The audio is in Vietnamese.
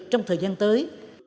trong thời gian tới